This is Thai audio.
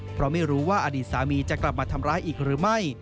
เพราะไม่รู้ว่าอดีตสามีจะกลับมาทำร้ายอีกหรือไม่